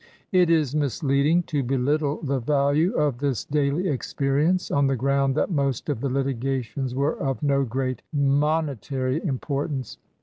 It is misleading to belittle the value of this daily experience on the ground that most of the litigations were of no great mone tary importance.